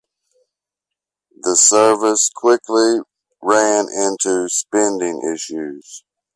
The service quickly ran into spending issues.